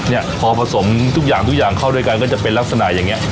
เนี่ยพอผสมทุกอย่างทุกอย่างเข้าด้วยกันก็จะเป็นลักษณะอย่างนี้